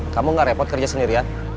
kamu gak repot kerja sendirian